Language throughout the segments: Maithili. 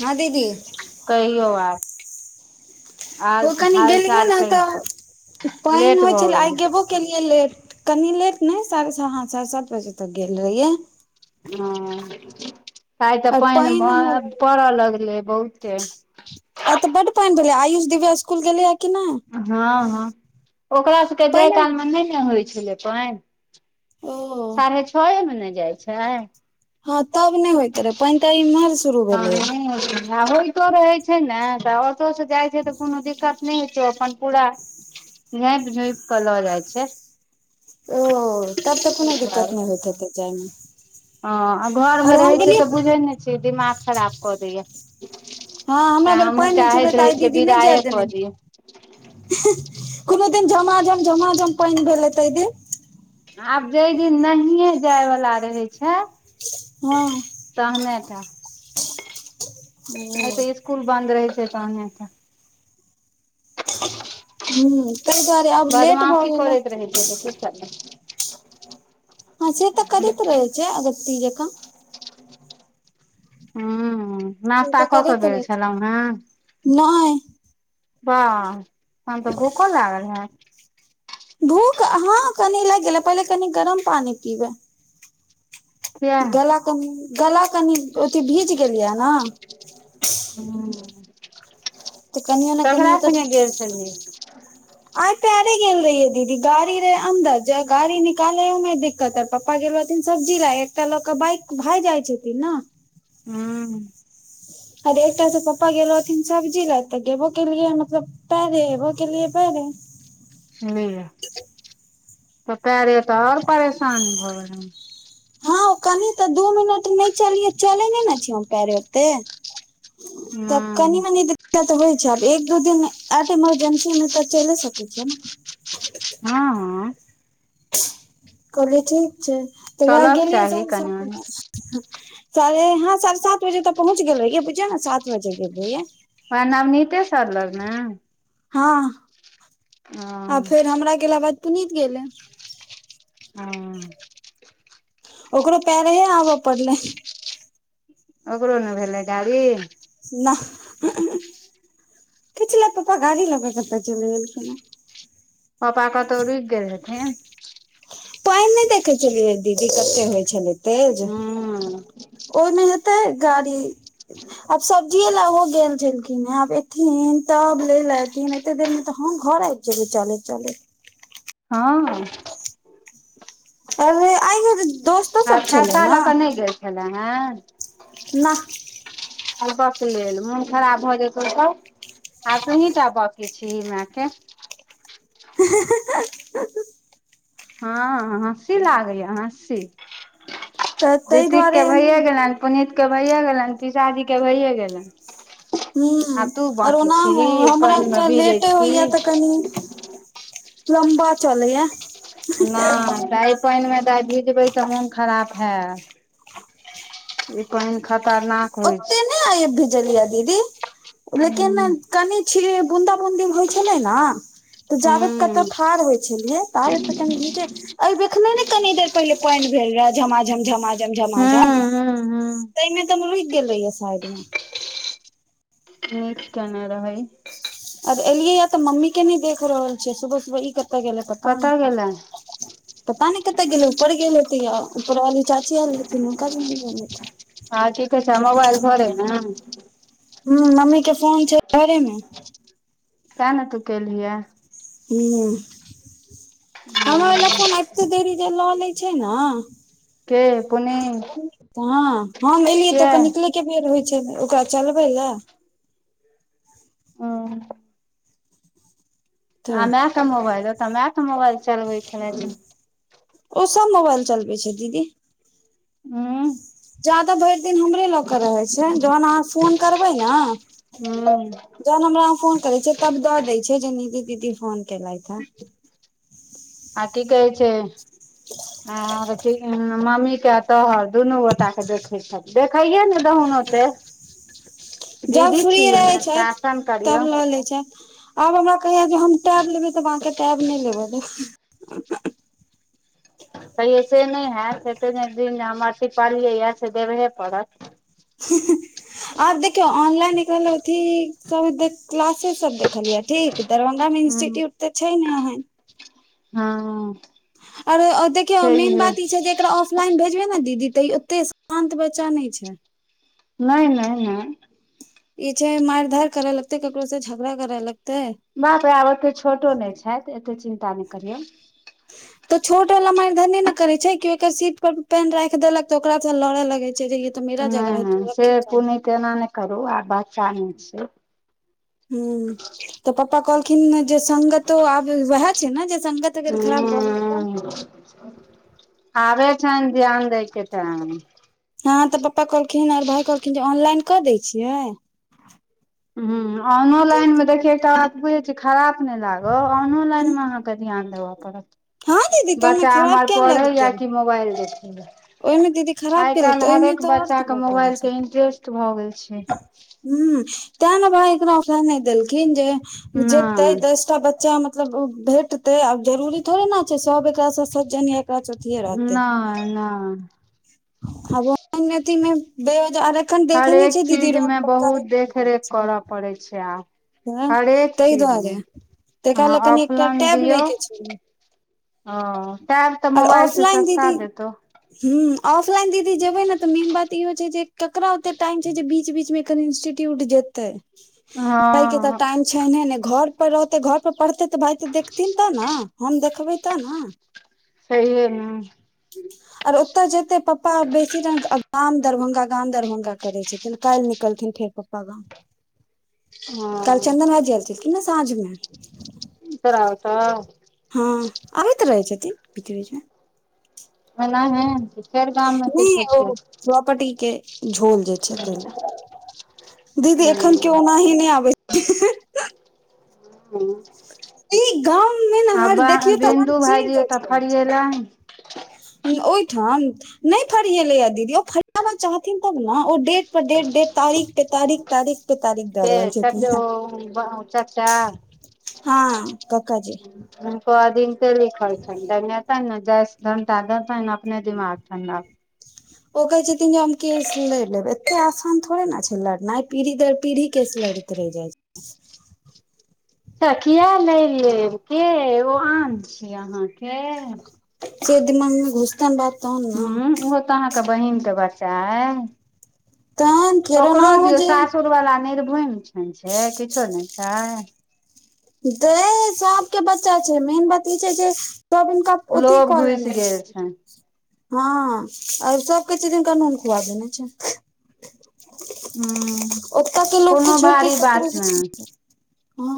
ह दीदी कहियौ आब। आल ओ कनि हाल गेलही चाल ने कहियौ तऽ पाइन लेट होइ भऽ छलै आइ गेलै गेबो केलीयै लेट कनि लेट नहि साढ़े साढ़े सात बजे तक गेल रहिये। हैं आइ तऽ आओर पानि पानिमे हुअ लगलै पड़य लगलै बहुते आ तऽ बड़ पाननो आयुष दिव्या स्कुल गेलै ह ह ओकरा सभके जाय पानि कालमे नहि ने होइत छलै पइन ओ साढ़े छै मने जाइ छै आ ह तबी नहि होइत रहे पनि त इमहर आ होइतो रहैत छै ने तऽ ऑटो सँ जाइत छै तऽ कोनो दिक्कत हो छै ओ अपन पूरा झाँपि झोप केऽ लऽ जाइ छै। ओ तब त कोनो दिक्कत नहि होइत हेतै जाय मे हैं आ घर मे रहै छै तऽ बुझैत नहि छिये दिमाग खराब कऽ दैया ह हमरा तऽ भेल हमहूँ पैन होइै छले चाहैत त रहै आय छियै दीदी नहि विदाए जाय कऽ दने दियै हैं कोनो दिन झमा झम झमा झम पानि भेलै तहि दिन आब जय दिन नहिये जाय वला रहै छै। ह तहने ट नहि ओ तऽ इसकुल बंन्द रहै छै तहने ट हू। बदमाशी करैत रहै छैय ह से तऽ करैत रहे छै अगत्ती जकाँ हु हु से नाश्ता तऽ कऽ कऽ करैत भेल रहै छलहुँ हे छै नहि बाह तहन तऽ भूको लागे हैत। भूख ह कनि लागि गेले पहिले कनि गरम पानी पीबे किया। कनी गला कनि अथी भीज गेलिये ने। तऽ कनियो ने कनियो ककरा तऽ संगे गेल छलियै [inaudible] आइ पैरे गेल रहियै दीदी गाड़ी रहै अन्दर जे गाड़ी निकाले ह मे दिक्कत पप्पा गेल रहथिन सब्जी ला एकटा लऽ कऽ बाइक भागि आएल छलथिन न हूँ अरे एकटा स-से पप्पा गेल रहथिन सब्जी लए तऽ गेबो केलियै मतलब पैरे एबो केलिये पैरे लिअ - तऽ पैरे तऽ आओर परेशान भऽ गेलहुँ हँ ओ कनि तऽ दू मिनट नहि चलियै चले नै ने छी हम पैरे ओते तऽ कनि हूँ मनि दिक [inaudible] होइ छै आब एक दू दिन एते इमरजेंसी मे तऽ चैले सकै छिय नै हँ हँ कॉलेजे छै तऽ वएह चलक गेलियै त चाही ऊ कनि सब [inaudible] मनि हुं साढ़े हँ साढ़े सात बजे तऽ पहुँच गेल रहियै बुझियौ ने सात बजे गेल रहियै [inaudible] न मिते सर लग नै हँ आ हँ फेर हमरा गेला बाद पुनीत गेलै अहाँ ओकरो पैरे हे आबऽ पड़लै ओकरो ने भेलै गाड़ी नह [inaudible] किछ लय पप्पा गाड़ी लऽ कऽ कतऽ चलि गेलखिन ने पापा कतहु रुकि गेल हेथिन पानि नहि देखै छलियै दीदी कते होइ छलै तेज हूं ओह नै एतै गाड़ी अब सब जिए ला ओहो गेल छलखिन हे आब एथिन तब लै लय ऐथिन एते देर मे तऽ हम घर आ [inaudible] गेलियै चलैत चलैत हँ अरे आइबो गेली आ छाता लऽ कऽ नहि गेल छले हँ नअऽ आ बकलेल मोन खराब भऽ जेतो तऽ आ तोहिटा बाकी छी मैके हे-हे-हे-हेऽ हँ हँसी लागै या हँसी तऽ ताहि रितीक दुआरे के भइये गेलनि पुनीत के भैये गेलनि पीसाजी के भैये गेलनि ह आ तू आर बाँकी ओना छिही पानिमे हमरा भिजै लेटे छिही होइया [inaudible] तऽ कनि लम्बा चलैय नहि दाय पानि मे दाय भिजबै तऽ मोन खराब हैत [inaudible] पानि खतरना ओते नहि आइ भिजलिये दीदी लेकिन हूँ कनि छिये बुन्दा बुन्दी होय छलै न हूं जाबत कतहु ठाढ़ होय छलियै ताबत तऽ कनि भीजे ऐ देखने नै कनि देर पहिले पानि भेलैय झमा झम झमा झम झमा झम हूं हूं हूं तइमे तऽ मुहुकि गेल रहियै साइडमे [unintelligible] अब एलियै य तऽ मम्मी के नहि देख रहल छियै सुबह सुबह इ कतऽ गेलै पता नइ कतऽ गेले पता नहि कतय गेल ऊपर गेल हेतै या ऊपर वाली चाची आयल हेथिन हुनका संगे गेल हेथिन आ ठिके छऽ मोबाइल घर अई ने ह मम्मी के फोन छैय घरे मे ते ने तू केलिहे [unintelligible] एते देरी जे लऽ लैय छैय न के पुनीत हँ हम एलियै के तऽ ओ कते बेर होय छैय ओकरा चलबै ह तऽ माय से मोबाइल ओतऽ मायके मोबाइल चलबै छलै ओ सभ मोबाइल चलबै छैय दीदी ह जादा भरि दिन हमरे लऽ के रहैय छैय जहन अहाँ फोन करबै न जहन हमरा फोन करै छिय तब द दैय छैय जे दीदी दीदी फोन केलथि हे आ कि कहै छैय आ ठीक ने मम्मी के तोहर दुनू गोटा के देखैय छैय। देखैये ने दहुन ओते। [unintelligible] जब दीदी फ्री छी रहै छथि शासन करियौ तब ल लय छथि आब हमरा कहैयये जे हम टैब लेबे त अहाँकेँ टैब नहि लेबय देब हयौ से नहि हैत एते दिन जे हम अथी पढ़लियै हे से देबहे पड़त [unintelligible] आब देखियौ ऑनलाइन कहलथि सभ एते क्लासे सभ देखलियै ठीक दरभंगा मे हूँ इंस्टिट्यूट त छैय ने ओहेन हँ आरै देखियौ छैहे मेन बात ई छैय जे एकरा फलाइन भेजबै ने दीदी तैयो ओते शान्त बच्चा नहि छैय। नहि नहि नहि। ई छै मारि धारि करय लगते ककरो से झगड़ा करय लगतइ बाप आब ओते छोटो नहि छैय एते चिन्ता नहि करियौ। तऽ छोट वाला मारि धने ने करे छै कि ओकर सीट पर पेन राख देलक तऽ ओकरा से लड़े लगे छैय त मेरा जगह है तुम रखी काहे। त एना नहि करू आ बच्चा नहि छै। हूँ त पप्पा कहलखिन जे सगतो आब वैह छै ने जे संगत अगर खराब भऽ गेलै त हूँ आबे छैन्ह ध्यान दैय के टाइम। हँ तऽ पप्पा कहलखिन आर भाय कहलखिन जे ऑनलाइन कऽ दैय छियै ह ऑनोलाइन मे देख एकटा बात बुझै छै खराब। लागत ऑनोलाइन मे अहाँकेँ ध्यान देबऽ हँ पड़त। दीदी तऽ ओहिमे बच्चा खराब हमर किया पढ़े लगतै या कि मोबाइल देखे ओहिमे दीदी खराब आइ किया लगतै काल्हि ओहिमे हरेक तऽ आओर बच्चाके तबाह करै छै मोबाइलके इंट्रेस्ट भ गेल छै। ह ते ने भाय एकराठ नहि देलखिन जे जेतै नय दसटा बच्चा मतलब भेटतै आब जरूरी थोड़े ने छै सभ एकरासँ सज्जन एकरा से अथिये नहि नहि। ह बे हजार हरे कऽ चीज मे बहुत लागल देखरेख छै करय पड़ैत छै आब। तऽ हरे कऽ ताहि चीज मे दुआरे त एकरा लए अहाँ कनि एकटा ऑफलाइन टैब दियौ। लै के छै ओ तर त मोबइल से सस्ता देतो। हू ऑफलाइन दीदी जेबै न मेन बात ती होइ छै जे ककरा ओते टाइम छै जे बीच बीच मे अखैन इंस्टिट्यूट जेतै। पढ़ैके तऽ हँ टाइम छैने नै घर पर रहतै घर पर पढ़तै त तऽ भाय तऽ देखथिन तऽ न हम देखबै तऽ न सहिये नू आर ओतय जेते पप्पा बेसी गाम दरभंगा गाम दरभंगा करे छथिन काइल निकलथिन फेर। पप्पा गाँव [inaudible] काइल हँ चन्दन भाईजी ऐलखिन रहै ना साँझमे। तोरा ओत हँ अबैत रहै छथिन बीच बीचमे। [unintelligible] मे [unintelligible] किछो ओ छै प्रोपर्टीक झोल जे छै तै लऽ [inaudible] दीदी एखन कोई हूँ ओनाही नै आबै [unintelligible] [unintelligible] ई गाँव में नै न आ ह देखियौ तऽ हर बिन्दु भाईजी चीज ओतऽ [unintelligible] फरियेला ओइ ठन नै फरियलै यऽ दीदी ओ फरियाबा चाहथिन तब न ओ डेट परे डेट डे तारीख पे तारीख तारिख पर तारिख दऽ रहल के छठ छथिन है चचा [inaudible] हँ कका जी। हुन्को अदिनते लिखल छनि डंगेतयैन न डंटा देतएन अपने दिमाग ठण्डा ओ कहे छथिन जे हम केस लड़ लेब एते आसान थोड़े न छै लड़नाइ पीढ़ी दर पीढ़ी केस लड़े त रहे जा छै। [unintelligible] किया लइड़ लेब केँ ओ आन छी अहाँकेँ। से दिमागमे घुसतन बात। तहन हू ने ओहो तऽ अहाँकेँ बहिन कऽ बच्चा अय। तहन। ओकरो केनाहो दियौ जे सासुर वला निर्भुम छैन छै किछो नै छै। दैय सबक बच्चा छै मेन बात ई छै जे सब इनका ओत लोभ कल घुसि नै गेल छै। छनि हऽ और सब कहै स जे हुनका नून खुआ देने छै। [unintelligible] हूँ ओ तऽ केँ लोक केँ कोनो छोइर कऽ भारी बात ककरो किछ नहि नै ह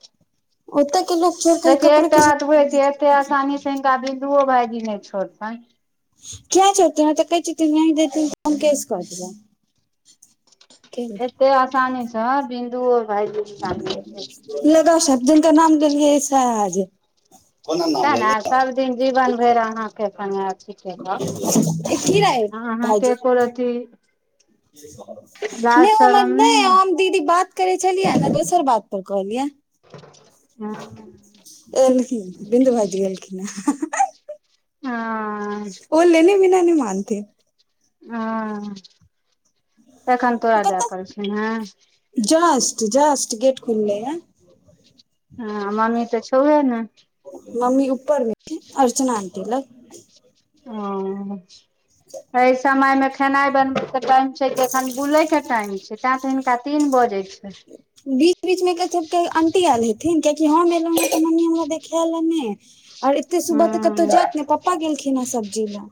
[inaudible] ओ तऽ कऽलोक। देखियौ एकटा बात बुझेछिही एते असानी से हिनका बिन्दुओ भाइजी नै छोड़ तैन किया छोड़तै ओ तऽ कहै छथिन नै देथिन तऽ केस कऽ देबै [unintelligible] एते असानी स बिन्दु ओ भाइजी निकालने छै [unintelligible] लगाओ सर्थ जिनका नाम लेलियै सयह आ ज सै न आब सबदिन जीवन भैर अहाँकेँ कनिया [unintelligible] अहाँके एको रती [unintelligible] लाज शरम नै नहि हम दीदी बात करै छलियै ने दोसर बात पर कहलियै [inaudible] एलखिन बिन्दु भाइजी एलखिन हन हँ आ लेने बिना नहि मानथिन हूँ एखन तोरा जै पता पड़ै छौ ने जस्ट जस्ट गेट खुललै य हूँ मम्मी तऽ छौहुए नय मम्मी ऊपर मे हेथि अर्चना आंटी लग अच्छा। एहि समय मे खेनाय बनबे के टाइम छै कि एखन बुले के टाइम छै ते तऽ हिनका तीन बजै अच्छा। बीच बीच मे एकर सबके आंटी आयल हेथिन कियाकि हम एलहूँ हे तऽ मम्मी हमरा देखायल हन नै आओर एते सुबह तऽ कतौ हूँ जायत ने पप्पा गेलखिन हन सब्जी ल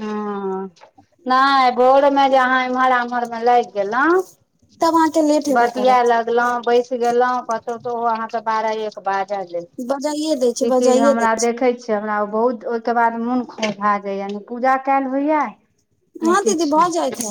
हूँ नहि भोरमे जे अहाँ इमहर आम्हरमे लागि गेलहुँ तब अहाँके लेट हेबे बतिया करत लगलौ बैस गेलहूँ कतौ तऽ ओ अहाँकेँ बारह एक बाजऽ दइ छै बजाइए दै छै ई चीज बजाइए दै हमरा देखै छै से हमरा बहुत ओहिके बाद मोन खौउंझा जाइया ने पूजा कयल होइया ह नहि दीदी किछु भऽ जाइ छै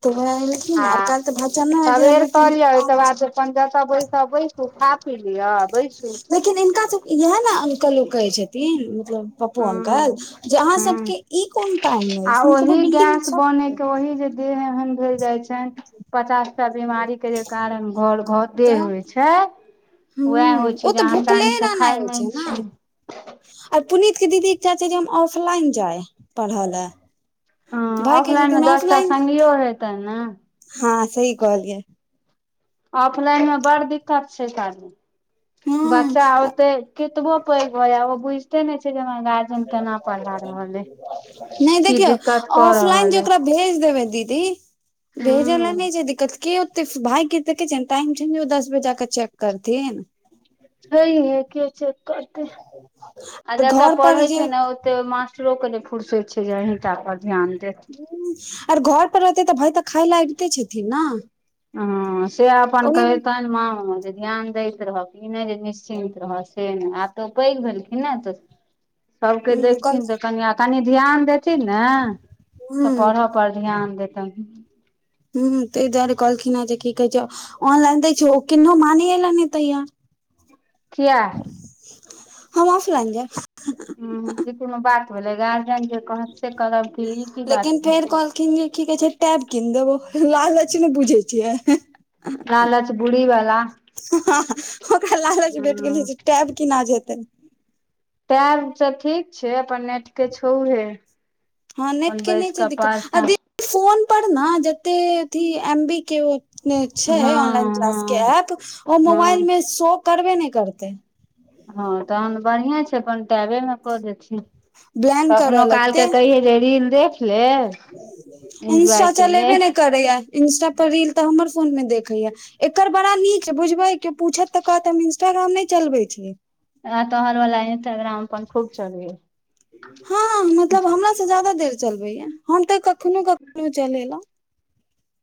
त वैएह एलखिन आ आओर कैल तऽ भजन भाइजी सबेर आयल कऽ रहथिन लिअ ओहिके कामसे बाद अपन जता बैसब बैसू खा पि लिया बैसू लेकिन हिनका सभके- यैह ने अंकलो कहै छथिन मतलब पप्पू अंकल हँ जे अहाँ सभ हँ के ई कोन टाइम अय- बिल्डिंग मे सभ वही जे देह एहन भेल जाइ छै। पचासटा बीमारी के जे कारण घर तऽ होइ छै ह वैह होइ ओ छै जे तऽ अहाँ भुखले टाइमसँ खाय नहि छी। ओर पुनीत के दीदी चाहै छै जे हम ऑफलाइन जाइ पढ़य ले हूँ ऑफलाइन मे दसटा संगियो हेतैन ने ह सही कहलियै ऑफलाइन मे बड़ दिक्कत छै चाची बच्चा हँ ओते कतबो पैघ भऽ जाय ओ बुइझते नै छै जे हमरा गार। न की देखियौ दिक्कत कऽ ऑफलाइन रहल अइ जेकरा भेज देबै दीदी भेजै लऽ हूँ नै छै दिक्कत क तीस भाय के देखैछैन टाइम छै ने दस बजे जाके चेक करथिन छै हे के चेक करते आ जतऽ घर पर पढ़ैय जे छै न मास्टरो के नैय फुर्सत छैय जे अहीटा पर ध्यान देत और घर पर रहतै तऽ भाय तऽ खाय लाय दै छथिन नै ह से अपन कैहतैन माँ हमर जे ध्यान दैत रहब ई नै जे निश्चिन्त रह से नैय आब तऽ पैघ भेलखिन न तऽ सभ के कल देखथिन तऽ कनिया कनि ध्यान देथिन न ह तऽ पढ़ऽ पर ध्यान देतैन। ह ह तैय द्वारे कहलखीन आ जे कि कहै छैय ऑनलाइन दै छैय औ किन्नो मानै लए नै तैयार। किया। हम आफ लाइन देब। कोनो बात भेलय गार्जियन के कहत से करत लेकिन फेर कहलखिन जे कि कहै छै टैब कीन देबौ लालच मे बुझै छियै लालच बुरी वला। हँ हँ ओकरा लालच भेट गेल जे टैब कीना जेतय टैब त ठीक छैय अपन नेट तऽ छौहे हँ नेट अपन के नहि बैस छै कऽ दिक्कत पाँच आ टा दी फोन पर नऽ जते अथी एम बी के हु छैय हँ ऑनलाइन क्लास के हँ एप्प ओ मोबाइल हँ मे शो करबे नहि करतय हँ तहन बढ़िया छैय अपन टैबे मे कऽ देथिह ब्लैंक करऽ कखनो काल के कहिे से रील देख ले एन्जॉय इन्स्ट्रा के ले चलेबे नहि करैये इन्स्ट्रा पर रील तऽ हमर फोन मे देखैये एकर बड़ा नीक बुझबय क्यो पूछत तऽ कहत हम इंस्टाग्राम नहि चलबै छी आ तऽ वला इन्स्टाग्राम अपन खूब चलबे यऽ हँ हँ मतलब हमरा से ज्यदा देर चलबैये। हम तऽ कखनो कखनो चलेलहुँ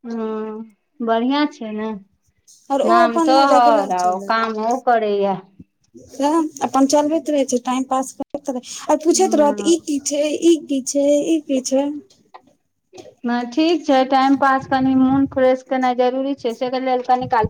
हँ बढ़िआँ छैय नऽ आओर ओ नाम अपन तोहर आ काम ओ करैये से अपन चलबैत रहै छै टाइम पास करैत रहे आइ पूछैत रहत हँ ई ई छैय ई की छैय ई की छैय नइ ठीक छैय टाइम पास कनि मोन फ्रेश केनाय जरूरी छैय से के लेल कनी काल